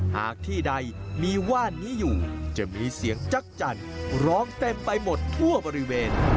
หากที่ใดมีว่านนี้อยู่จะมีเสียงจักรจันทร์ร้องเต็มไปหมดทั่วบริเวณ